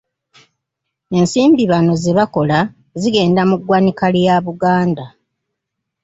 Ensimbi bano ze bakola zigenda mu ggwanika lya Buganda.